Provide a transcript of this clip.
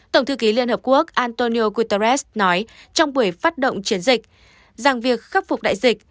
tổng thư ký liên hợp quốc antonio guterres nói trong buổi phát động chiến dịch rằng việc khắc phục đại dịch